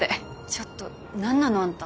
ちょっと何なの？あんた。